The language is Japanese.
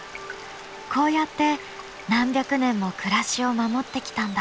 こうやって何百年も暮らしを守ってきたんだ。